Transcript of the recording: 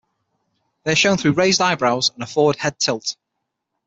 They are shown through raised eyebrows and a forward head tilt.